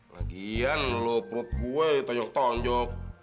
lagian lu perut gue ditonjok tonjok